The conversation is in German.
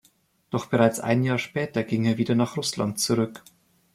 Doch bereits ein Jahr später ging er wieder nach Russland zurück.